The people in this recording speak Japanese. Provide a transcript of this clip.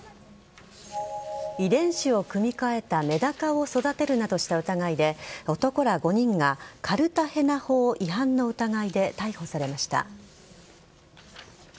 遺伝子を組み替えたメダカを育てるなどした疑いで男ら５人がカルタヘナ法違反の疑いで逮捕されました。